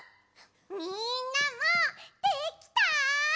みんなもできた？